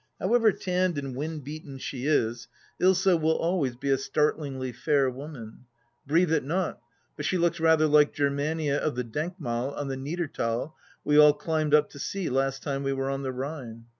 However tanned and wind beaten she is, Ilsa will always be a start lingly fair woman. Breathe it not, but she looks rather like Germania of the Denkmal on the Niederthal we all climbed up to see last time we were on the Rhine.